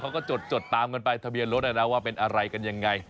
เขาก็จดตามกันไปทะเบียนรถว่าเป็นอะไรกันยังไง